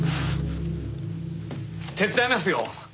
手伝いますよ。